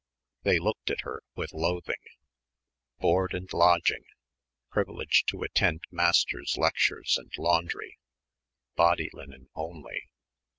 They looked at her with loathing. "Board and lodging privilege to attend Masters' lectures and laundry (body linen only)."